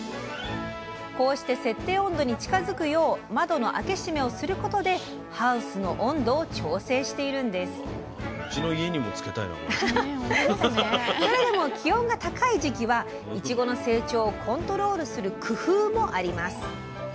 こうして設定温度に近づくよう窓の開け閉めをすることでハウスの温度を調整しているんですそれでも気温が高い時期はいちごの成長をコントロールする工夫もあります。